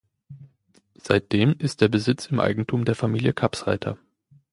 Seitdem ist der Besitz im Eigentum der Familie Kapsreiter.